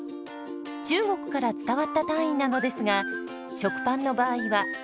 中国から伝わった単位なのですが食パンの場合はちょっと緩やかです。